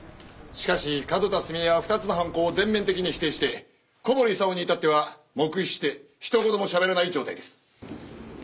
しかし角田澄江は２つの犯行を全面的に否定して小堀功に至っては黙秘してひと言もしゃべらない状態です。